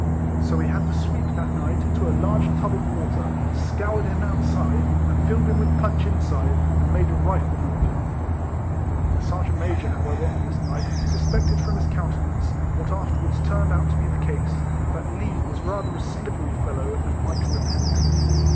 So we had the sweep that night into a large tub of water, scoured him outside, and filled him with punch inside, and made a Rifleman of him. The Sergeant Major, however, on this night, suspected from his countenance, what afterwards turned out to be the case, that Lee was rather a slippery fellow, and might repent.